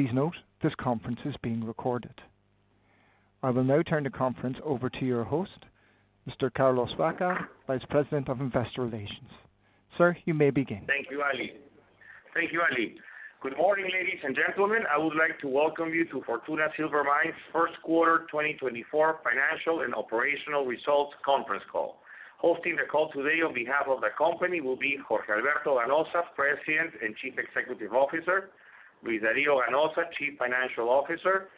Please note, this conference is being recorded. I will now turn the conference over to your host, Mr. Carlos Baca, Vice President of Investor Relations. Sir, you may begin. Thank you, Ali. Thank you, Ali. Good morning, ladies and gentlemen. I would like to welcome you to Fortuna Silver Mines' first quarter 2024 financial and operational results conference call. Hosting the call today on behalf of the company will be Jorge Alberto Ganoza, President and Chief Executive Officer, Luis Dario Ganoza, Chief Financial Officer,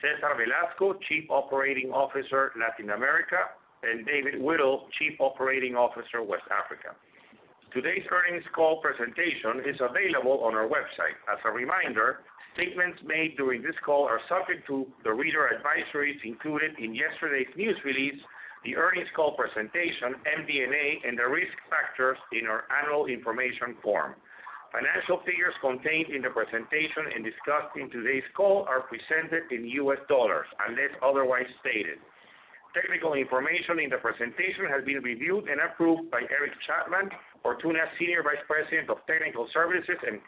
Cesar Velasco, Chief Operating Officer, Latin America, and David Whittle, Chief Operating Officer, West Africa. Today's earnings call presentation is available on our website. As a reminder, statements made during this call are subject to the reader advisories included in yesterday's news release, the earnings call presentation, MD&A, and the risk factors in our annual information form. Financial figures contained in the presentation and discussed in today's call are presented in US dollars, unless otherwise stated. Technical information in the presentation has been reviewed and approved by Eric Chapman, Fortuna's Senior Vice President of Technical Services and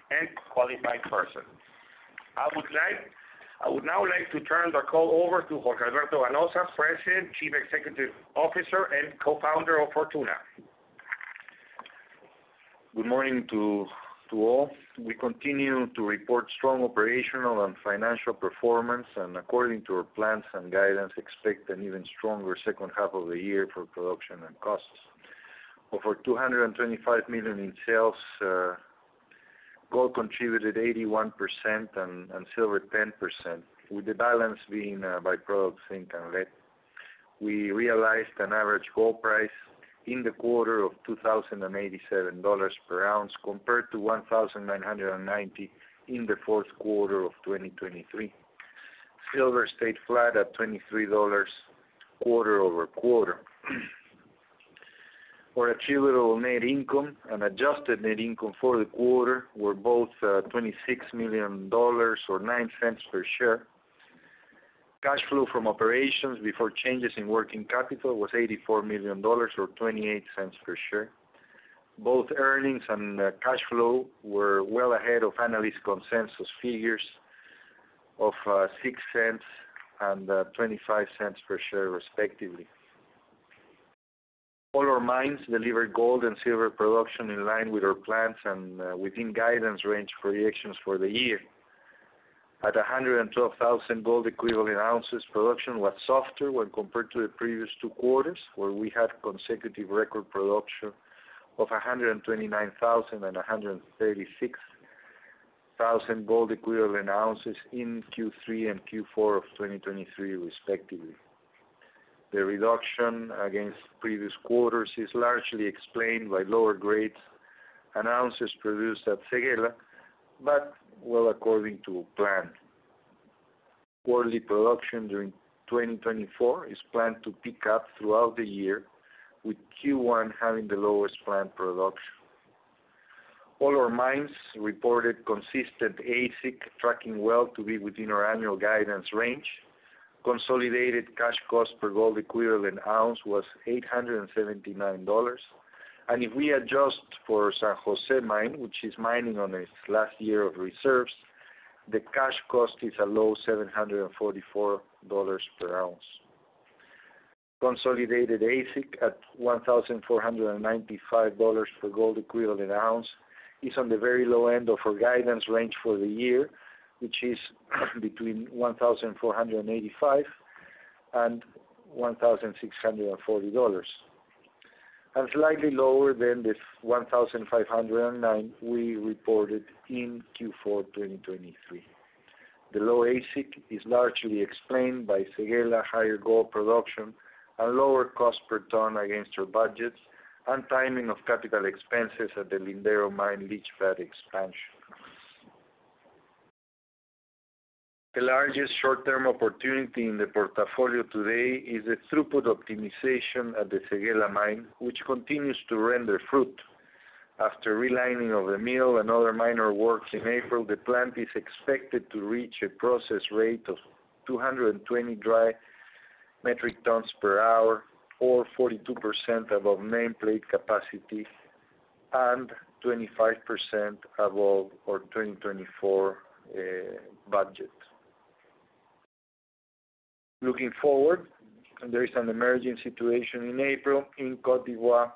Qualified Person. I would now like to turn the call over to Jorge Alberto Ganoza, President, Chief Executive Officer, and Co-Founder of Fortuna. Good morning to all. We continue to report strong operational and financial performance, and according to our plans and guidance, expect an even stronger second half of the year for production and costs. Over $225 million in sales, gold contributed 81% and silver 10%, with the balance being by-product zinc and lead. We realized an average gold price in the quarter of $2,087 per ounce compared to $1,990 in the fourth quarter of 2023. Silver stayed flat at $23 quarter-over-quarter. Our attributable net income and adjusted net income for the quarter were both $26 million or $0.09 per share. Cash flow from operations before changes in working capital was $84 million or $0.28 per share. Both earnings and cash flow were well ahead of analyst consensus figures of $0.06 and $0.25 per share, respectively. All our mines delivered gold and silver production in line with our plans and within guidance range projections for the year. At 112,000 gold equivalent ounces, production was softer when compared to the previous two quarters, where we had consecutive record production of 129,000 and 136,000 gold equivalent ounces in Q3 and Q4 of 2023, respectively. The reduction against previous quarters is largely explained by lower grades and ounces produced at Séguéla, but well, according to plan. Quarterly production during 2024 is planned to pick up throughout the year, with Q1 having the lowest planned production. All our mines reported consistent AISC, tracking well to be within our annual guidance range. Consolidated cash cost per gold equivalent ounce was $879. If we adjust for San Jose Mine, which is mining on its last year of reserves, the cash cost is a low $744 per ounce. Consolidated AISC at $1,495 per gold equivalent ounce is on the very low end of our guidance range for the year, which is between $1,485 and $1,640, and slightly lower than the $1,509 we reported in Q4 2023. The low AISC is largely explained by Séguéla, higher gold production, and lower cost per ton against our budget, and timing of capital expenses at the Lindero Mine leach pad expansion. The largest short-term opportunity in the portfolio today is the throughput optimization at the Séguéla Mine, which continues to bear fruit. After relining of the mill and other minor works in April, the plant is expected to reach a process rate of 220 dry metric tons per hour, or 42% above nameplate capacity, and 25% above our 2024 budget. Looking forward, there is an emerging situation in April. In Côte d'Ivoire,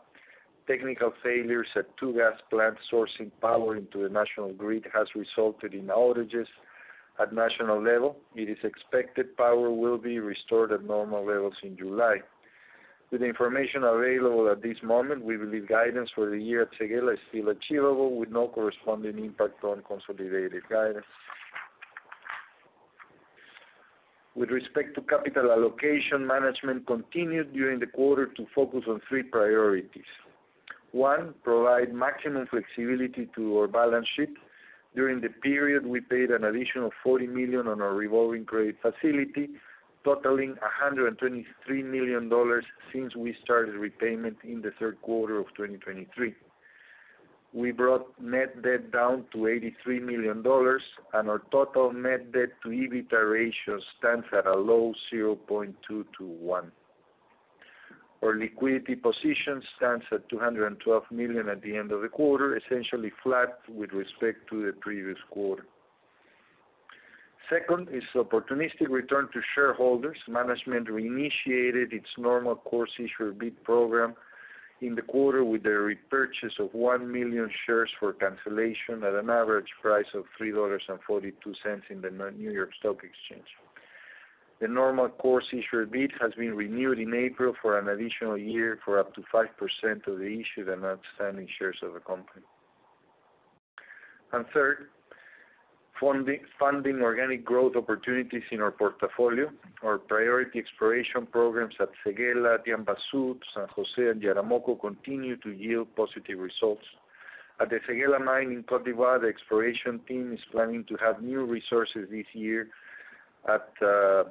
technical failures at two gas plants sourcing power into the national grid have resulted in outages at national level. It is expected power will be restored at normal levels in July. With the information available at this moment, we believe guidance for the year at Séguéla is still achievable, with no corresponding impact on consolidated guidance. With respect to capital allocation, management continued during the quarter to focus on three priorities. One, provide maximum flexibility to our balance sheet. During the period, we paid an additional $40 million on our revolving credit facility, totaling $123 million since we started repayment in the third quarter of 2023. We brought net debt down to $83 million, and our total net debt-to-EBITDA ratio stands at a low 0.221. Our liquidity position stands at $212 million at the end of the quarter, essentially flat with respect to the previous quarter. Second is opportunistic return to shareholders. Management reinitiated its normal course issuer bid program in the quarter with a repurchase of 1 million shares for cancellation at an average price of $3.42 in the New York Stock Exchange. The normal course issuer bid has been renewed in April for an additional year for up to 5% of the issued and outstanding shares of the company. Third, funding organic growth opportunities in our portfolio. Our priority exploration programs at Séguéla, Diamba Sud, San Jose, and Yaramoko continue to yield positive results. At the Séguéla Mine in Côte d'Ivoire, the exploration team is planning to have new resources this year at the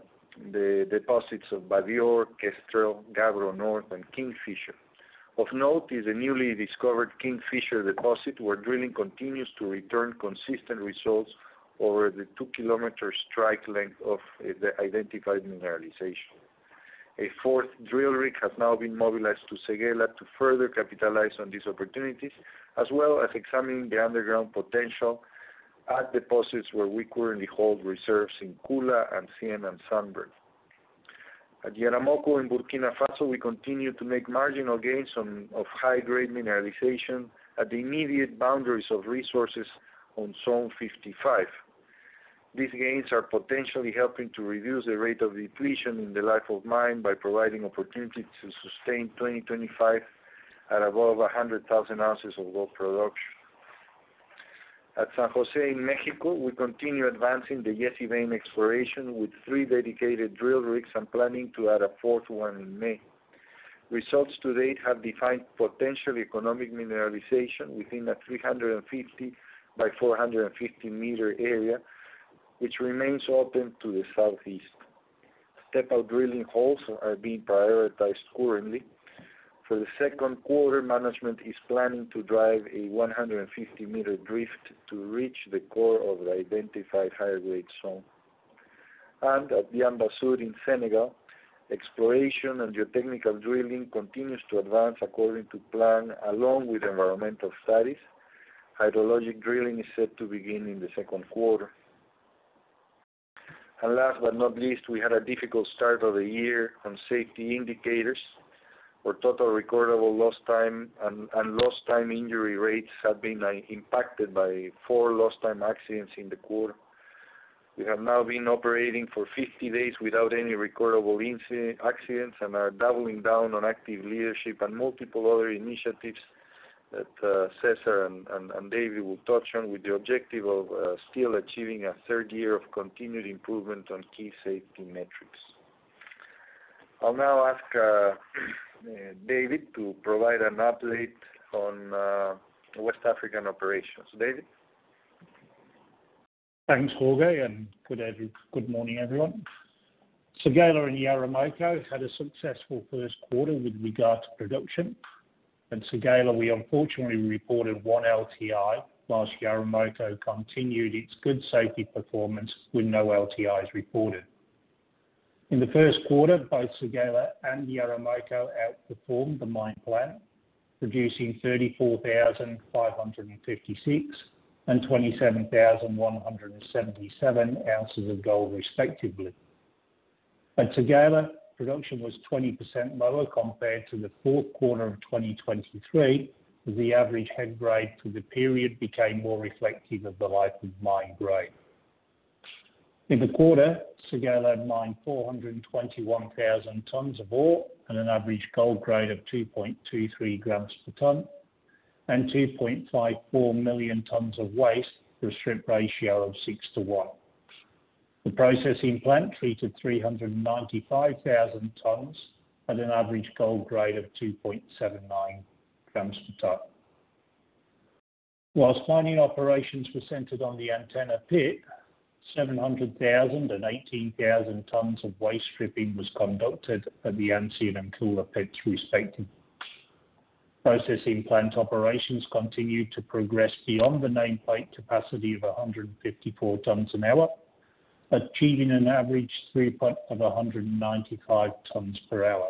deposits of Badior, Kestrel, Gabbro North, and Kingfisher. Of note is the newly discovered Kingfisher deposit, where drilling continues to return consistent results over the 2-kilometer strike length of the identified mineralization. A fourth drill rig has now been mobilized to Séguéla to further capitalize on these opportunities, as well as examining the underground potential at deposits where we currently hold reserves in Koula and Antenna and Sunbird. At Yaramoko in Burkina Faso, we continue to make marginal gains in high-grade mineralization at the immediate boundaries of resources on Zone 55. These gains are potentially helping to reduce the rate of depletion in the life of mine by providing opportunity to sustain 2025 at above 100,000 ounces of gold production. At San Jose in Mexico, we continue advancing the Yessi vein exploration with three dedicated drill rigs and planning to add a fourth one in May. Results to date have defined potential economic mineralization within a 350 by 450-meter area, which remains open to the southeast. Step-out drilling holes are being prioritized currently. For the second quarter, management is planning to drive a 150-meter drift to reach the core of the identified higher-grade zone. At Diamba Sud in Senegal, exploration and geotechnical drilling continues to advance according to plan along with environmental studies. Hydrologic drilling is set to begin in the second quarter. Last but not least, we had a difficult start of the year on safety indicators. Our total recordable lost time and lost time injury rates have been impacted by 4 lost time accidents in the quarter. We have now been operating for 50 days without any recordable incident accidents and are doubling down on active leadership and multiple other initiatives that Cesar and David will touch on with the objective of still achieving a third year of continued improvement on key safety metrics. I'll now ask David to provide an update on West African operations. David? Thanks, Jorge, and good morning, everyone. Séguéla and Yaramoko had a successful first quarter with regard to production. At Séguéla, we unfortunately reported one LTI while Yaramoko continued its good safety performance with no LTIs reported. In the first quarter, both Séguéla and Yaramoko outperformed the mine plan, producing 34,556 and 27,177 ounces of gold, respectively. At Séguéla, production was 20% lower compared to the fourth quarter of 2023 as the average head grade for the period became more reflective of the life of mine grade. In the quarter, Séguéla mined 421,000 tons of ore and an average gold grade of 2.23 grams per ton and 2.54 million tons of waste with a strip ratio of six to one. The processing plant treated 395,000 tons at an average gold grade of 2.79 grams per ton. While mining operations were centered on the Antenna pit, 700,000 and 18,000 tons of waste stripping was conducted at the Ancien and Koula pits, respectively. Processing plant operations continued to progress beyond the nameplate capacity of 154 tons an hour, achieving an average throughput of 195 tons per hour.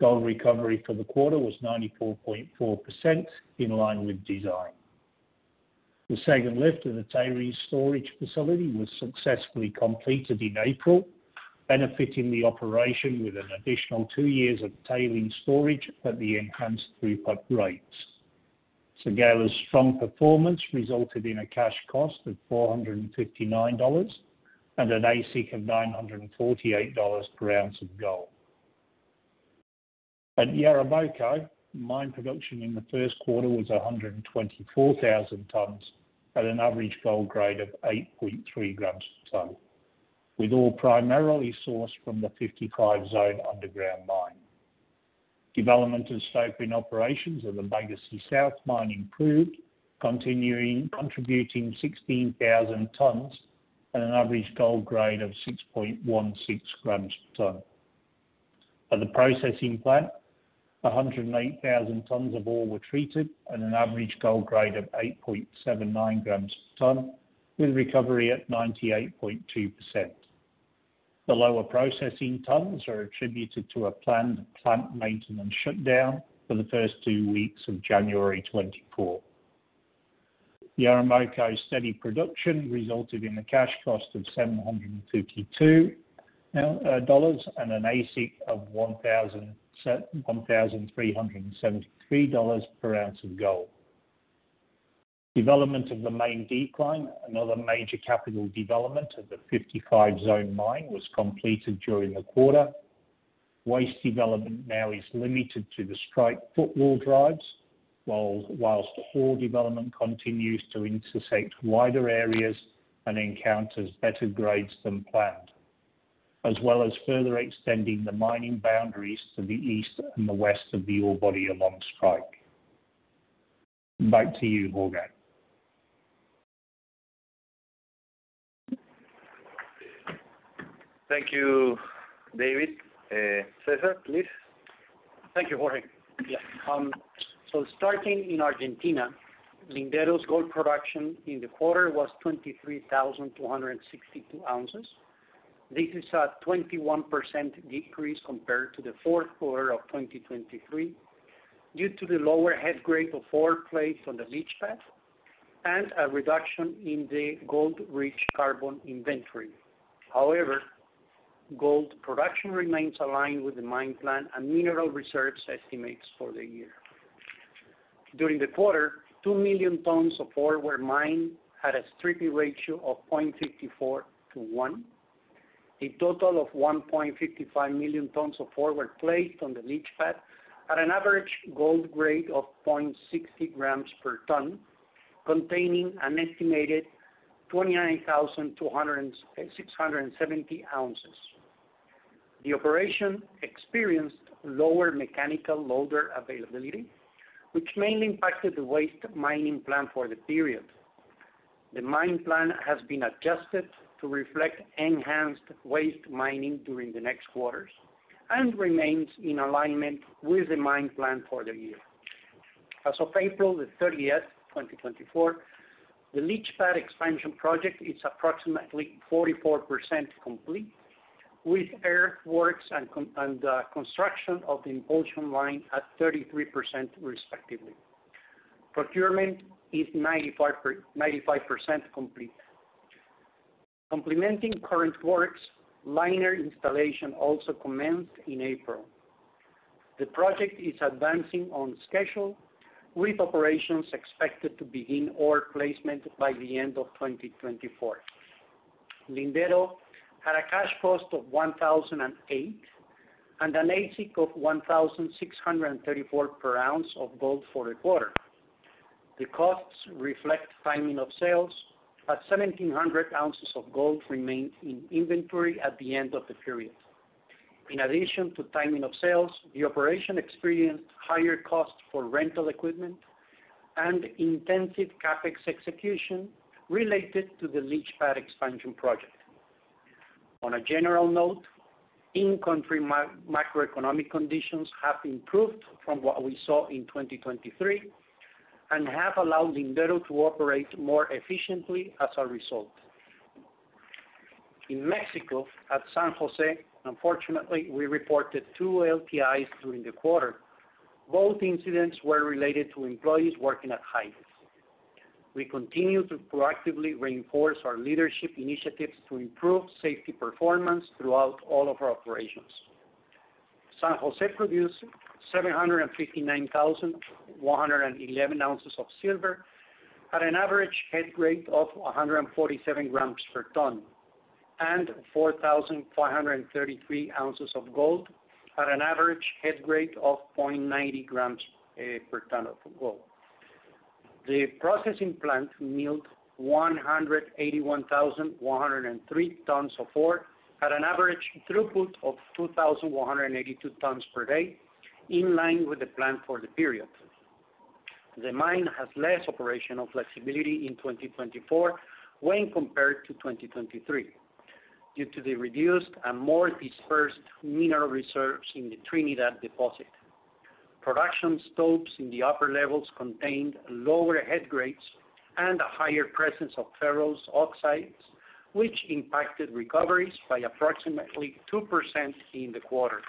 Gold recovery for the quarter was 94.4%, in line with design. The second lift of the tailings storage facility was successfully completed in April, benefiting the operation with an additional two years of tailings storage at the enhanced throughput rates. Séguéla's strong performance resulted in a cash cost of $459 and an AISC of $948 per ounce of gold. At Yaramoko, mine production in the first quarter was 124,000 tons at an average gold grade of 8.3 grams per ton, with all primarily sourced from the Zone 55 underground mine. Development and stoping operations of the Bagassi South Mine improved, continuing contributing 16,000 tons and an average gold grade of 6.16 grams per ton. At the processing plant, 108,000 tons of ore were treated at an average gold grade of 8.79 grams per ton, with recovery at 98.2%. The lower processing tons are attributed to a planned plant maintenance shutdown for the first two weeks of January 2024. Yaramoko's steady production resulted in a cash cost of $752 and an AISC of $1,373 per ounce of gold. Development of the main decline, another major capital development at the Zone 55 mine, was completed during the quarter. Waste development now is limited to the strike footwall drives, while ore development continues to intersect wider areas and encounters better grades than planned, as well as further extending the mining boundaries to the east and the west of the ore body along strike. Back to you, Jorge. Thank you, David. Cesar, please. Thank you, Jorge. Yeah. Starting in Argentina, Lindero's gold production in the quarter was 23,262 ounces. This is a 21% decrease compared to the fourth quarter of 2023 due to the lower head grade of ore placed on the leach pad and a reduction in the gold-rich carbon inventory. However, gold production remains aligned with the mine plan and mineral reserves estimates for the year. During the quarter, 2 million tons of ore were mined at a stripping ratio of 0.54 to 1. A total of 1.55 million tons of ore were placed on the leach pad at an average gold grade of 0.60 grams per ton, containing an estimated 29,267 ounces. The operation experienced lower mechanical loader availability, which mainly impacted the waste mining plan for the period. The mine plan has been adjusted to reflect enhanced waste mining during the next quarters and remains in alignment with the mine plan for the year. As of April 30, 2024, the leach pad expansion project is approximately 44% complete, with earthworks and construction of the impulsion line at 33%, respectively. Procurement is 95% complete. Complementing current works, liner installation also commenced in April. The project is advancing on schedule, with operations expected to begin ore placement by the end of 2024. Lindero had a cash cost of $1,008 and an AISC of $1,634 per ounce of gold for the quarter. The costs reflect timing of sales, as 1,700 ounces of gold remained in inventory at the end of the period. In addition to timing of sales, the operation experienced higher costs for rental equipment and intensive CapEx execution related to the leach pad expansion project. On a general note, in-country macroeconomic conditions have improved from what we saw in 2023 and have allowed Lindero to operate more efficiently as a result. In Mexico, at San Jose, unfortunately, we reported two LTIs during the quarter. Both incidents were related to employees working at heights. We continue to proactively reinforce our leadership initiatives to improve safety performance throughout all of our operations. San Jose produced 759,111 ounces of silver at an average head grade of 147 grams per ton and 4,533 ounces of gold at an average head grade of 0.90 grams per ton of gold. The processing plant milled 181,103 tons of ore at an average throughput of 2,182 tons per day, in line with the plan for the period. The mine has less operational flexibility in 2024 when compared to 2023 due to the reduced and more dispersed mineral reserves in the Trinidad deposit, production stopes in the upper levels contained lower head grades and a higher presence of ferrous oxides, which impacted recoveries by approximately 2% in the quarter.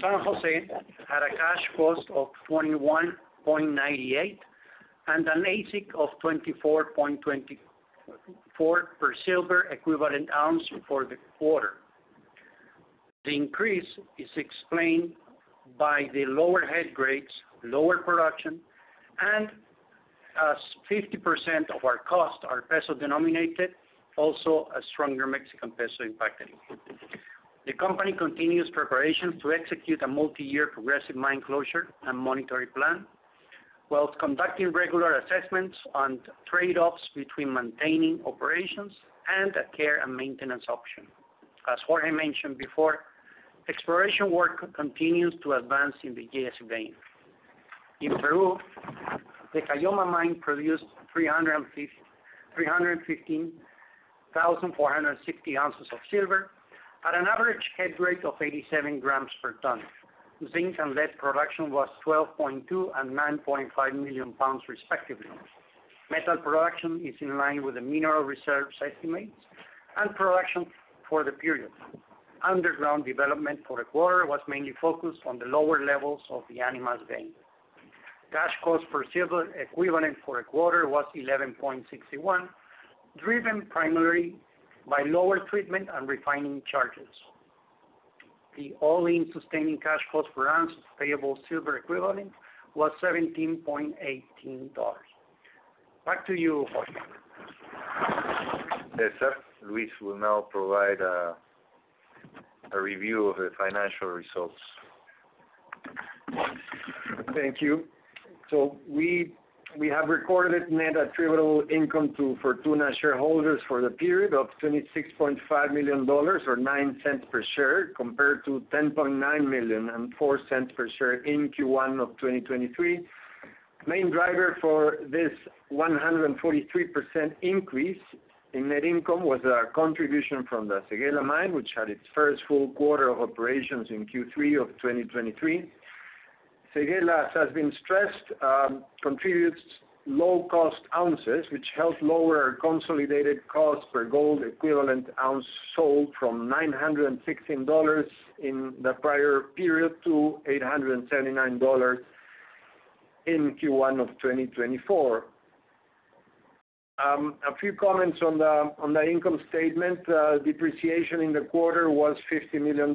San Jose had a cash cost of $21.98 and an AISC of $24.24 per silver equivalent ounce for the quarter. The increase is explained by the lower head grades, lower production, and as 50% of our costs are peso denominated, also a stronger Mexican peso impacted it. The company continues preparations to execute a multi-year progressive mine closure and monitoring plan, while conducting regular assessments and trade-offs between maintaining operations and a care and maintenance option. As Jorge mentioned before, exploration work continues to advance in the Yessi vein. In Peru, the Caylloma mine produced 315,460 ounces of silver at an average head grade of 87 grams per ton. Zinc and lead production was 12.2 million pounds and 9.5 million pounds, respectively. Metal production is in line with the mineral reserves estimates and production for the period. Underground development for the quarter was mainly focused on the lower levels of the Animas vein. Cash cost per silver equivalent for the quarter was $11.61, driven primarily by lower treatment and refining charges. The all-in sustaining cash cost per ounce of payable silver equivalent was $17.18. Back to you, Jorge. Cesar, Luis will now provide a review of the financial results. Thank you. So we have recorded net attributable income to Fortuna shareholders for the period of $26.5 million or $0.09 per share compared to $10.9 million and $0.04 per share in Q1 of 2023. Main driver for this 143% increase in net income was a contribution from the Séguéla mine, which had its first full quarter of operations in Q3 of 2023. Séguéla, as has been stressed, contributes low-cost ounces, which helped lower consolidated cost per gold equivalent ounce sold from $916 in the prior period to $879 in Q1 of 2024. A few comments on the income statement. Depreciation in the quarter was $50 million,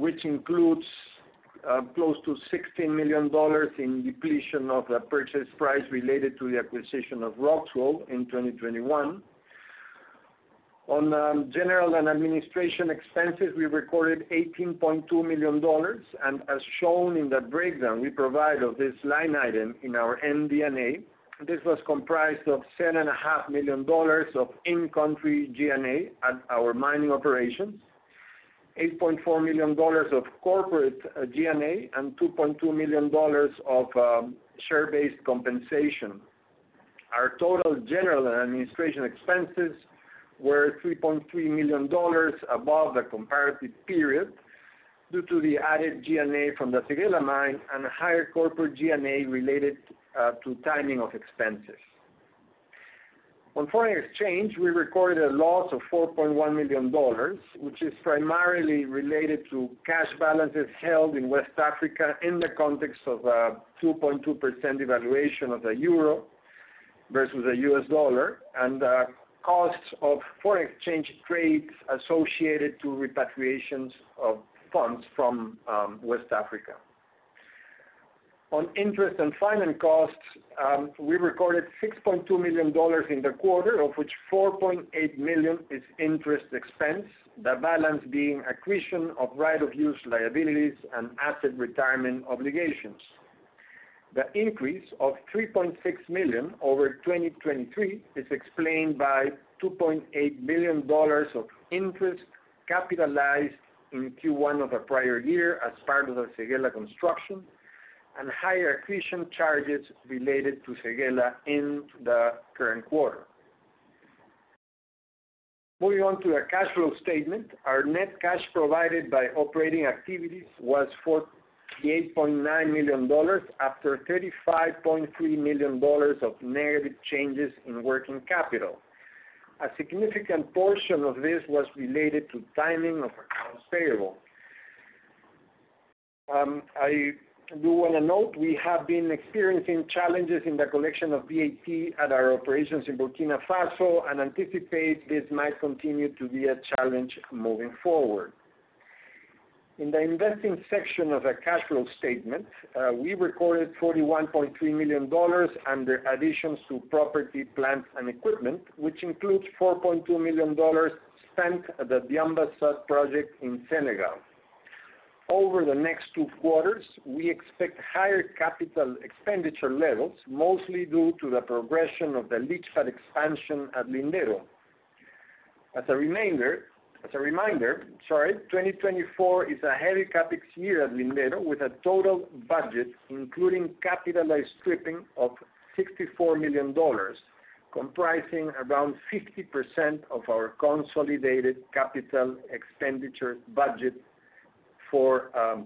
which includes close to $16 million in depletion of the purchase price related to the acquisition of Roxgold in 2021. On general and administration expenses, we recorded $18.2 million. As shown in the breakdown we provide of this line item in our MD&A, this was comprised of $7.5 million of in-country G&A at our mining operations, $8.4 million of corporate G&A, and $2.2 million of share-based compensation. Our total general and administrative expenses were $3.3 million above the comparative period due to the added G&A from the Séguéla Mine and higher corporate G&A related to timing of expenses. On foreign exchange, we recorded a loss of $4.1 million, which is primarily related to cash balances held in West Africa in the context of a 2.2% devaluation of the euro versus the U.S. dollar and costs of foreign exchange trades associated to repatriations of funds from West Africa. On interest and finance costs, we recorded $6.2 million in the quarter, of which $4.8 million is interest expense, the balance being acquisition of right-of-use liabilities and asset retirement obligations. The increase of $3.6 million over 2023 is explained by $2.8 million of interest capitalized in Q1 of the prior year as part of the Séguéla construction and higher acquisition charges related to Séguéla in the current quarter. Moving on to the cash flow statement, our net cash provided by operating activities was $48.9 million after $35.3 million of negative changes in working capital. A significant portion of this was related to timing of accounts payable. I do want to note we have been experiencing challenges in the collection of VAT at our operations in Burkina Faso and anticipate this might continue to be a challenge moving forward. In the investing section of the cash flow statement, we recorded $41.3 million under additions to property, plant, and equipment, which includes $4.2 million spent at the Diamba Sud project in Senegal. Over the next two quarters, we expect higher capital expenditure levels, mostly due to the progression of the leach pad expansion at Lindero. As a reminder, sorry, 2024 is a heavy CapEx year at Lindero with a total budget including capitalized stripping of $64 million, comprising around 50% of our consolidated capital expenditure budget for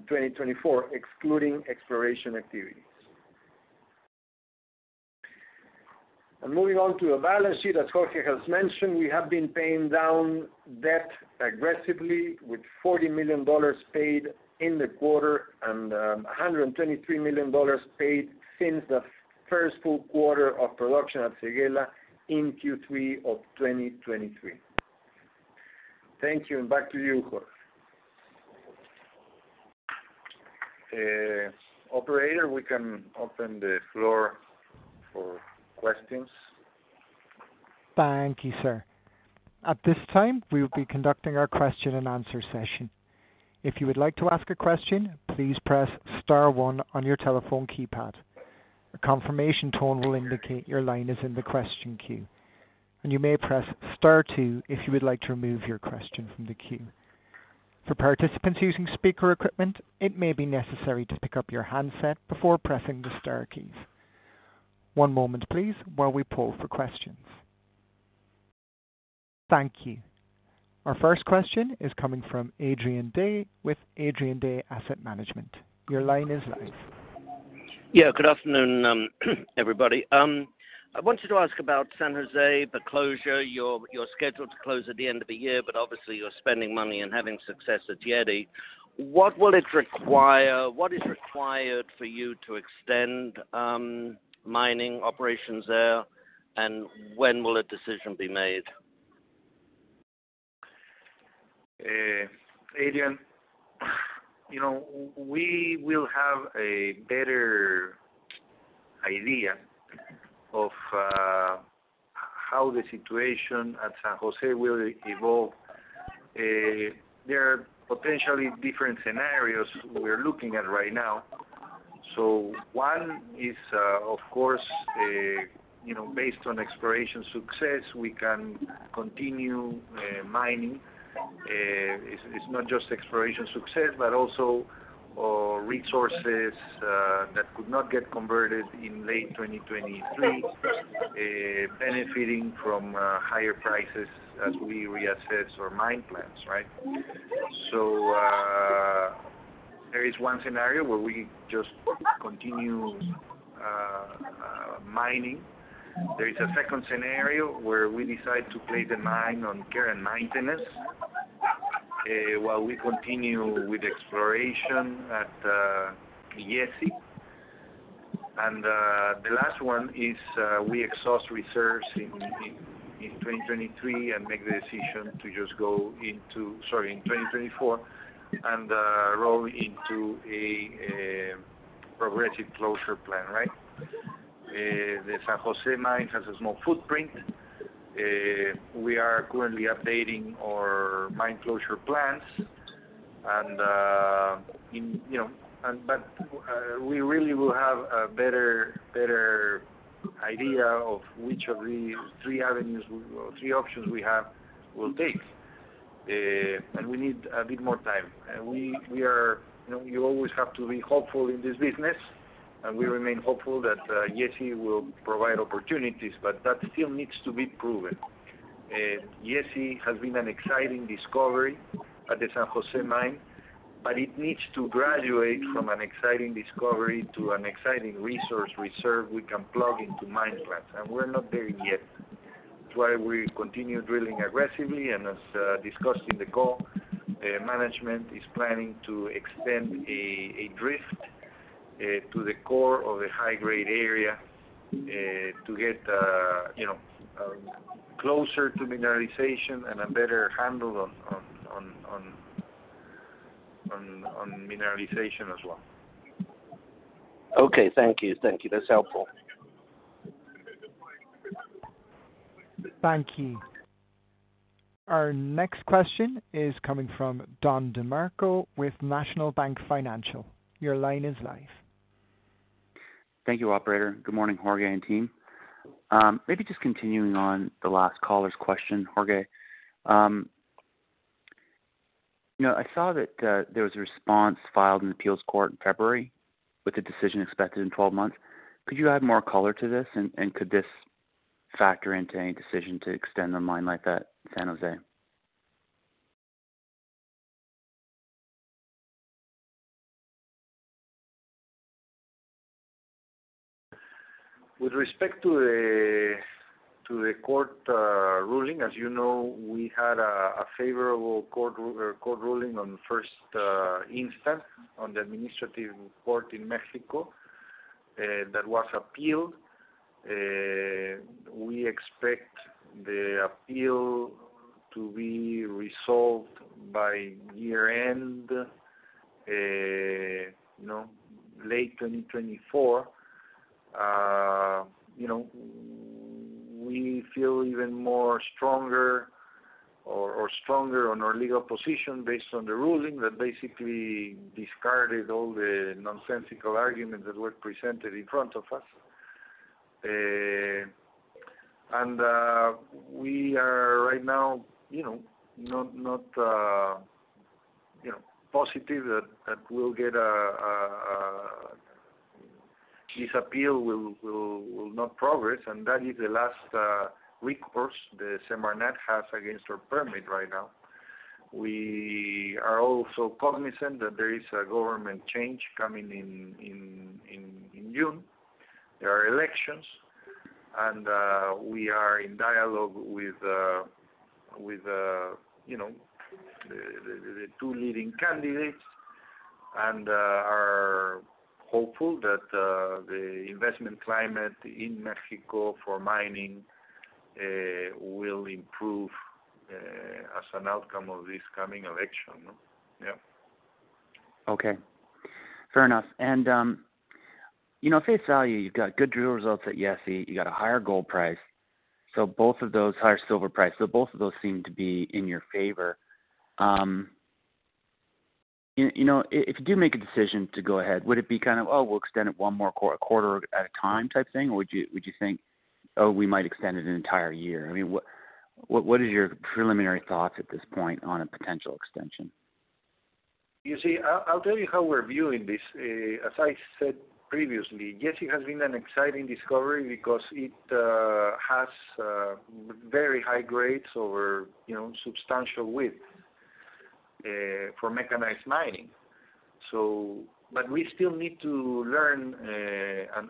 2024, excluding exploration activities. And moving on to the balance sheet, as Jorge has mentioned, we have been paying down debt aggressively with $40 million paid in the quarter and $123 million paid since the first full quarter of production at Séguéla in Q3 of 2023. Thank you. And back to you, Jorge. Operator, we can open the floor for questions. Thank you, sir. At this time, we will be conducting our question-and-answer session. If you would like to ask a question, please press star 1 on your telephone keypad. A confirmation tone will indicate your line is in the question queue, and you may press star 2 if you would like to remove your question from the queue. For participants using speaker equipment, it may be necessary to pick up your handset before pressing the star keys. One moment, please, while we pull for questions. Thank you. Our first question is coming from Adrian Day with Adrian Day Asset Management. Your line is live. Yeah. Good afternoon, everybody. I wanted to ask about San Jose, the closure. You're scheduled to close at the end of the year, but obviously, you're spending money and having success at Yessi. What will it require? What is required for you to extend mining operations there, and when will a decision be made? Adrian, we will have a better idea of how the situation at San Jose will evolve. There are potentially different scenarios we're looking at right now. So one is, of course, based on exploration success, we can continue mining. It's not just exploration success, but also resources that could not get converted in late 2023 benefiting from higher prices as we reassess our mine plans, right? So there is one scenario where we just continue mining. There is a second scenario where we decide to place the mine on care and maintenance while we continue with exploration at Yessi. And the last one is we exhaust reserves in 2023 and make the decision to just go into sorry, in 2024 and roll into a progressive closure plan, right? The San Jose Mine has a small footprint. We are currently updating our mine closure plans. But we really will have a better idea of which of these three avenues or three options we will take. We need a bit more time. You always have to be hopeful in this business, and we remain hopeful that Yessi will provide opportunities, but that still needs to be proven. Yessi has been an exciting discovery at the San Jose Mine, but it needs to graduate from an exciting discovery to an exciting resource reserve we can plug into mine plan. We're not there yet. That's why we continue drilling aggressively. As discussed in the call, management is planning to extend a drift to the core of the high-grade area to get closer to mineralization and a better handle on mineralization as well. Okay. Thank you. Thank you. That's helpful. Thank you. Our next question is coming from Don DeMarco with National Bank Financial. Your line is live. Thank you, operator. Good morning, Jorge and team. Maybe just continuing on the last caller's question, Jorge. I saw that there was a response filed in the appeals court in February with a decision expected in 12 months. Could you add more color to this, and could this factor into any decision to extend the mine like that in San Jose? With respect to the court ruling, as you know, we had a favorable court ruling on first instance on the administrative court in Mexico that was appealed. We expect the appeal to be resolved by year-end, late 2024. We feel even more stronger on our legal position based on the ruling that basically discarded all the nonsensical arguments that were presented in front of us. And we are right now not positive that we'll get this appeal will not progress. And that is the last recourse the SEMARNAT has against our permit right now. We are also cognizant that there is a government change coming in June. There are elections, and we are in dialogue with the two leading candidates and are hopeful that the investment climate in Mexico for mining will improve as an outcome of this coming election, yeah? Okay. Fair enough. At face value, you've got good drill results at Yessi. You got a higher gold price. So both of those higher silver price, so both of those seem to be in your favor. If you do make a decision to go ahead, would it be kind of, "Oh, we'll extend it one more quarter at a time," type thing? Or would you think, "Oh, we might extend it an entire year"? I mean, what is your preliminary thoughts at this point on a potential extension? You see, I'll tell you how we're viewing this. As I said previously, Yessi has been an exciting discovery because it has very high grades over substantial width for mechanized mining. But we still need to learn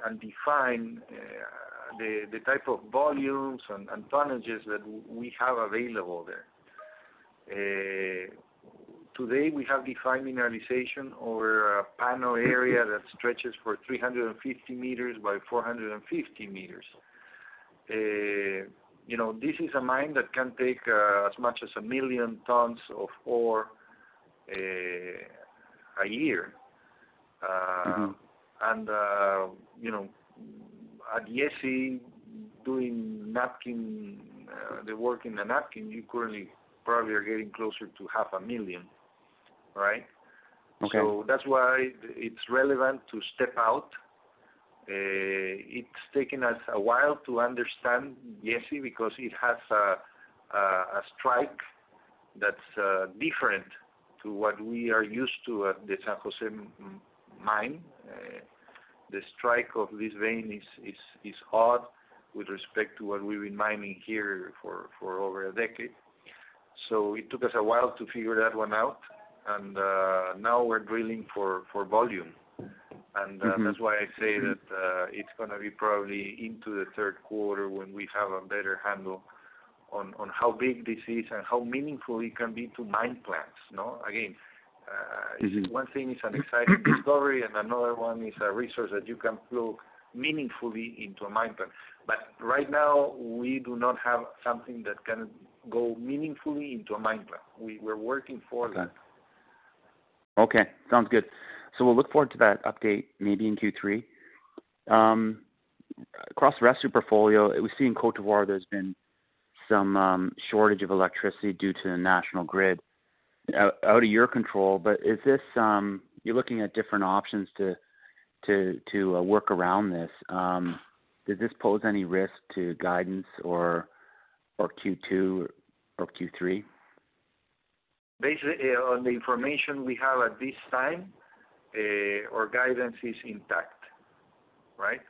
and define the type of volumes and tonnages that we have available there. Today, we have defined mineralization over a panel area that stretches for 350 meters by 450 meters. This is a mine that can take as much as 1 million tons of ore a year. And at Yessi, doing the work in the napkin, you currently probably are getting closer to 500,000, right? So that's why it's relevant to step out. It's taken us a while to understand Yessi because it has a strike that's different to what we are used to at the San Jose Mine. The strike of this vein is odd with respect to what we've been mining here for over a decade. So it took us a while to figure that one out. And now we're drilling for volume. And that's why I say that it's going to be probably into the third quarter when we have a better handle on how big this is and how meaningful it can be to mine plants, no? Again, one thing is an exciting discovery, and another one is a resource that you can plug meaningfully into a mine plant. But right now, we do not have something that can go meaningfully into a mine plant. We're working for that. Okay. Sounds good. So we'll look forward to that update maybe in Q3. Across the rest of your portfolio, we see in Côte d'Ivoire there's been some shortage of electricity due to the national grid out of your control. But you're looking at different options to work around this. Does this pose any risk to guidance or Q2 or Q3? Basically, on the information we have at this time, our guidance is intact, right?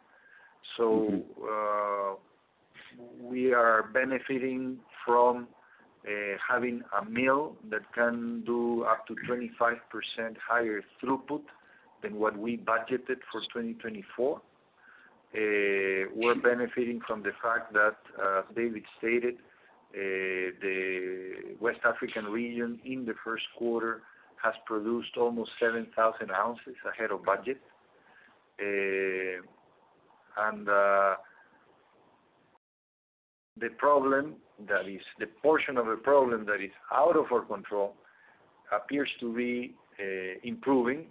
So we are benefiting from having a mill that can do up to 25% higher throughput than what we budgeted for 2024. We're benefiting from the fact that, as David stated, the West Africa region in the first quarter has produced almost 7,000 ounces ahead of budget. And the problem that is the portion of the problem that is out of our control appears to be improving.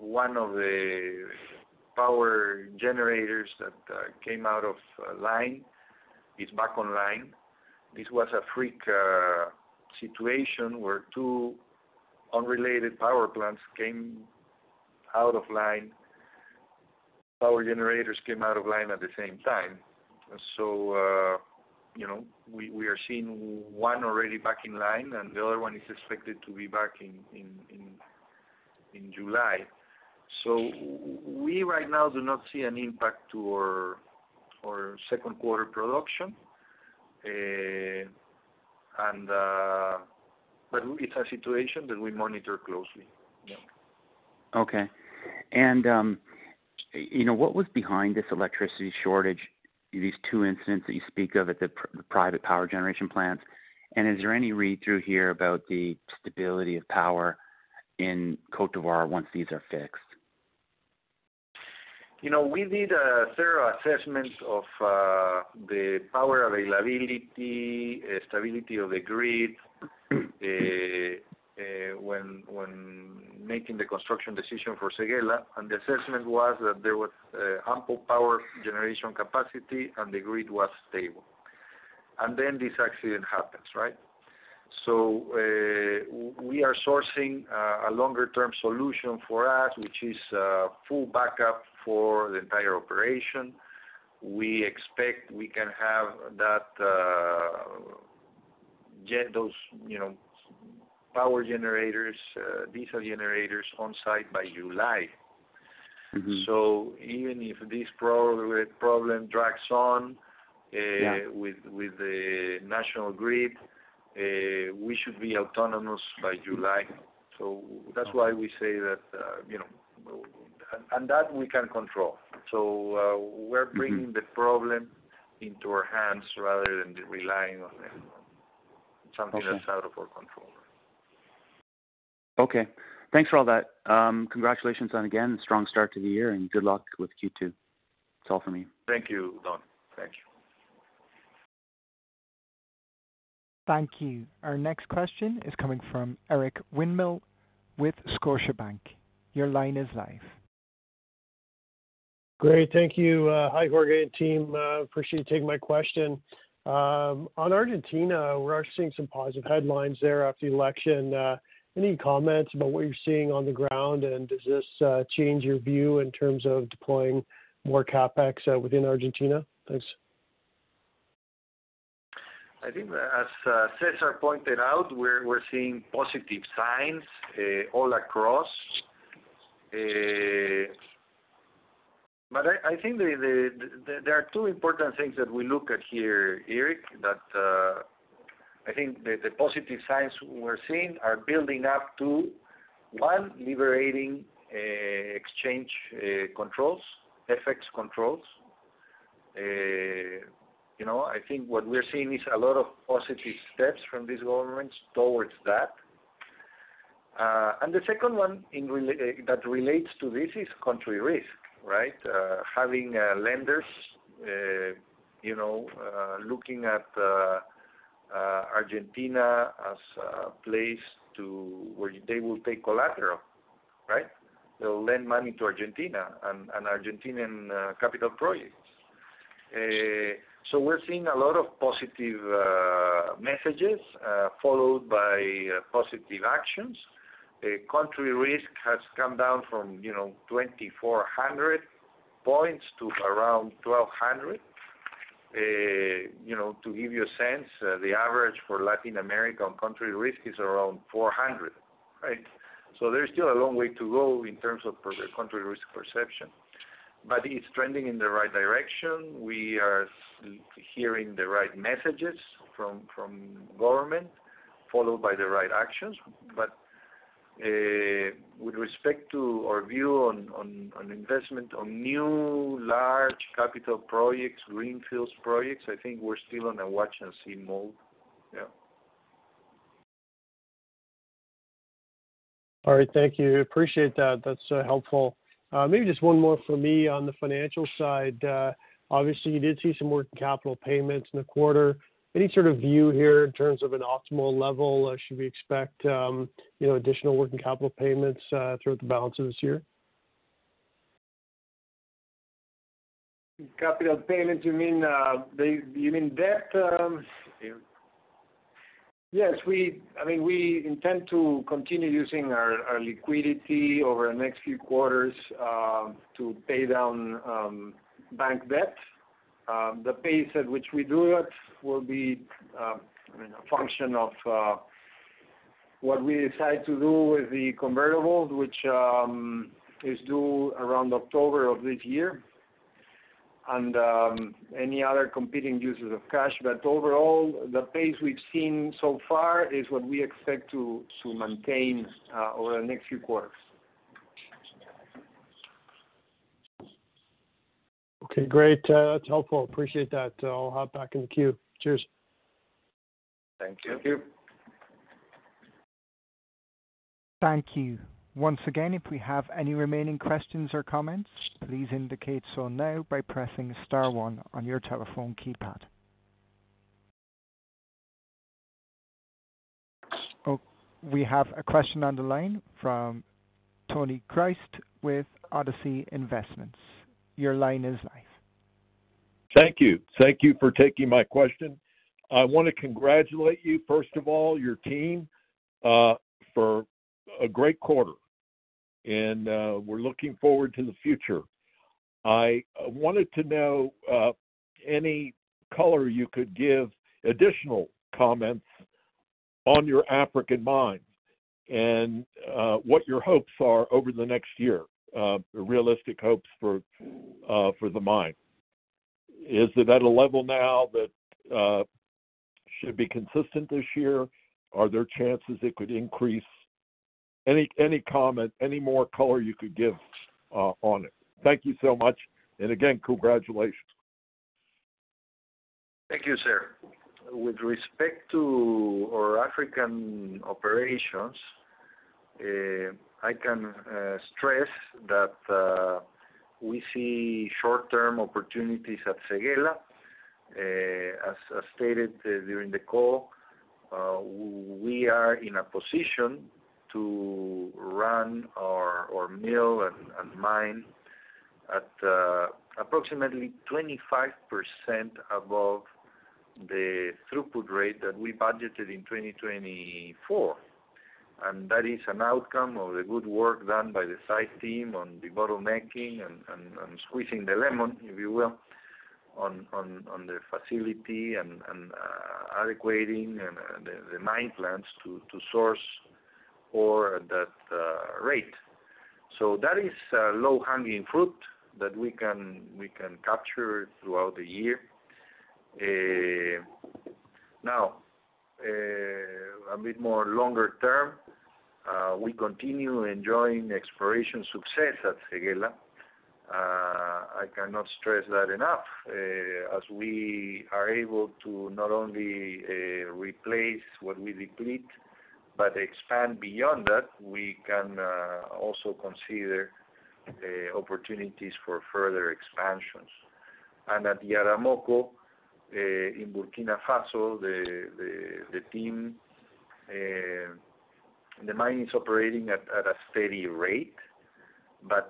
One of the power generators that came out of line is back on line. This was a freak situation where two unrelated power plants came out of line power generators came out of line at the same time. And so we are seeing one already back in line, and the other one is expected to be back in July. We right now do not see an impact to our second quarter production. It's a situation that we monitor closely, yeah. Okay. And what was behind this electricity shortage, these two incidents that you speak of at the private power generation plants? And is there any read-through here about the stability of power in Côte d'Ivoire once these are fixed? We did a thorough assessment of the power availability, stability of the grid when making the construction decision for Séguéla. The assessment was that there was ample power generation capacity, and the grid was stable. Then this accident happens, right? So we are sourcing a longer-term solution for us, which is full backup for the entire operation. We expect we can have those power generators, diesel generators on site by July. So even if this problem drags on with the national grid, we should be autonomous by July. So that's why we say that and that we can control. So we're bringing the problem into our hands rather than relying on something that's out of our control, right? Okay. Thanks for all that. Congratulations, again, strong start to the year, and good luck with Q2. That's all from me. Thank you, Don. Thank you. Thank you. Our next question is coming from Eric Winmill with Scotiabank. Your line is live. Great. Thank you. Hi, Jorge and team. I appreciate you taking my question. On Argentina, we're seeing some positive headlines there after the election. Any comments about what you're seeing on the ground, and does this change your view in terms of deploying more CapEx within Argentina? Thanks. I think, as Cesar pointed out, we're seeing positive signs all across. But I think there are two important things that we look at here, Eric, that I think the positive signs we're seeing are building up to, one, liberating exchange controls, FX controls. I think what we're seeing is a lot of positive steps from these governments towards that. And the second one that relates to this is country risk, right? Having lenders looking at Argentina as a place where they will take collateral, right? They'll lend money to Argentina and Argentine capital projects. So we're seeing a lot of positive messages followed by positive actions. Country risk has come down from 2,400 points to around 1,200. To give you a sense, the average for Latin America on country risk is around 400, right? So there's still a long way to go in terms of country risk perception. It's trending in the right direction. We are hearing the right messages from government followed by the right actions. With respect to our view on investment on new large capital projects, greenfields projects, I think we're still on a watch and see mode, yeah. All right. Thank you. Appreciate that. That's helpful. Maybe just one more from me on the financial side. Obviously, you did see some working capital payments in the quarter. Any sort of view here in terms of an optimal level? Should we expect additional working capital payments throughout the balance of this year? Capital payments, you mean debt? Yes. I mean, we intend to continue using our liquidity over the next few quarters to pay down bank debt. The pace at which we do it will be, I mean, a function of what we decide to do with the convertibles, which is due around October of this year and any other competing uses of cash. But overall, the pace we've seen so far is what we expect to maintain over the next few quarters. Okay. Great. That's helpful. Appreciate that. I'll hop back in the queue. Cheers. Thank you. Thank you. Thank you. Once again, if we have any remaining questions or comments, please indicate so now by pressing star one on your telephone keypad. We have a question on the line from Tony Christ with Odyssey Investments. Your line is live. Thank you. Thank you for taking my question. I want to congratulate you, first of all, your team, for a great quarter. We're looking forward to the future. I wanted to know any color you could give, additional comments on your African mines and what your hopes are over the next year, realistic hopes for the mine. Is it at a level now that should be consistent this year? Are there chances it could increase? Any comment, any more color you could give on it. Thank you so much. Again, congratulations. Thank you, sir. With respect to our African operations, I can stress that we see short-term opportunities at Séguéla. As stated during the call, we are in a position to run our mill and mine at approximately 25% above the throughput rate that we budgeted in 2024. That is an outcome of the good work done by the site team on the bottlenecking and squeezing the lemon, if you will, on the facility and adequating the mine plants to source ore at that rate. That is low-hanging fruit that we can capture throughout the year. Now, a bit more longer term, we continue enjoying exploration success at Séguéla. I cannot stress that enough. As we are able to not only replace what we deplete but expand beyond that, we can also consider opportunities for further expansions. At Yaramoko, in Burkina Faso, the mine is operating at a steady rate.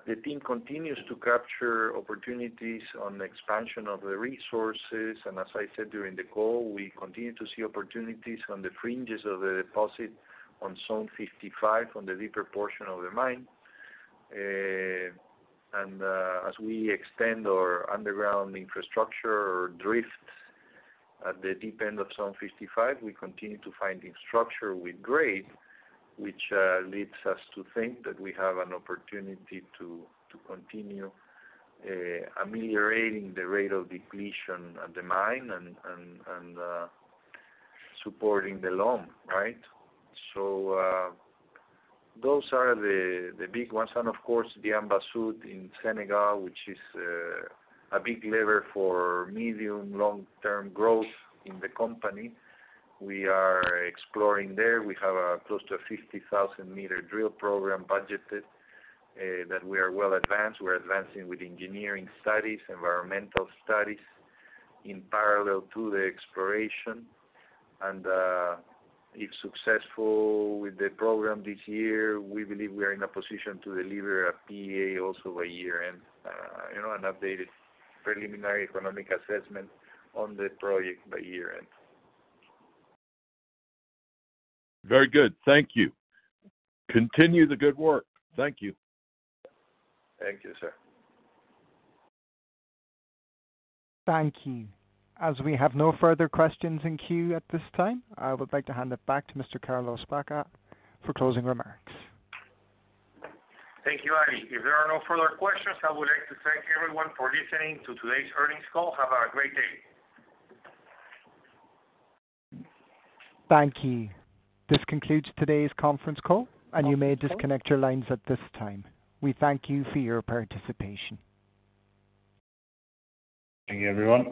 The team continues to capture opportunities on the expansion of the resources. As I said during the call, we continue to see opportunities on the fringes of the deposit on Zone 55 on the deeper portion of the mine. As we extend our underground infrastructure or drift at the deep end of Zone 55, we continue to find infrastructure with grade, which leads us to think that we have an opportunity to continue ameliorating the rate of depletion at the mine and supporting the loan, right? Those are the big ones. Of course, Diamba Sud in Senegal, which is a big lever for medium-long-term growth in the company. We are exploring there. We have close to a 50,000-meter drill program budgeted that we are well advanced. We're advancing with engineering studies, environmental studies in parallel to the exploration. If successful with the program this year, we believe we are in a position to deliver a PEA also by year-end, an updated preliminary economic assessment on the project by year-end. Very good. Thank you. Continue the good work. Thank you. Thank you, sir. Thank you. As we have no further questions in queue at this time, I would like to hand it back to Mr. Carlos Baca for closing remarks. Thank you, Andy. If there are no further questions, I would like to thank everyone for listening to today's earnings call. Have a great day. Thank you. This concludes today's conference call, and you may disconnect your lines at this time. We thank you for your participation. Thank you, everyone.